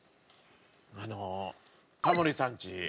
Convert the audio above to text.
あのタモリさんち。